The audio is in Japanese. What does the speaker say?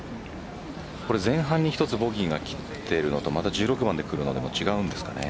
前半に１つボギーが来ているのと１６番でくるのでも違うんですかね。